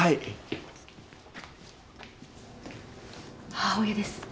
母親です。